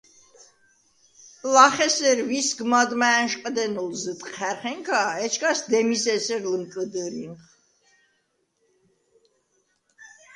ლახ ესერ ვისგ მადმა ა̈ნშყდენოლ ზჷთჴა̈რხენქა, ეჩქას დემის ესერ ლჷმკჷდჷრინხ.